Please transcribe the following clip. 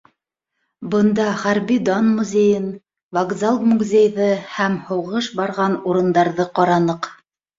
Бында хәрби-дан музейын, вокзал-музейҙы һәм һуғыш барған урындарҙы ҡараныҡ.